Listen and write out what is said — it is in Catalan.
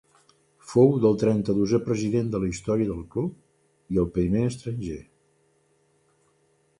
Fou del trenta-dosè president de la història del club i el primer estranger.